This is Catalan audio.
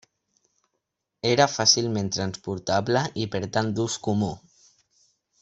Era fàcilment transportable i per tant d'ús comú.